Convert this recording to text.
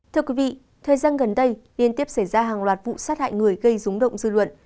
thưa quý vị thời gian gần đây liên tiếp xảy ra hàng loạt vụ sát hại người gây rúng động dư luận